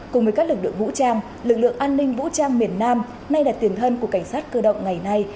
cùng với các lực lượng vũ trang lực lượng an ninh vũ trang miền nam nay là tiền thân của cảnh sát cơ động ngày nay